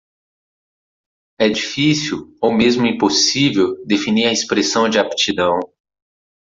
É difícil ou mesmo impossível definir a expressão de aptidão.